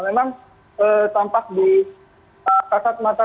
memang tampak di kasat mata